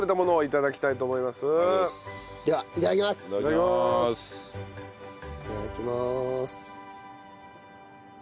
いただきまーす。